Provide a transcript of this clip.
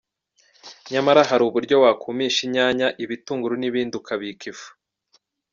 Nyamara hari uburyo wakumisha inyanya, ibitunguru n’ibindi ukabika ifu.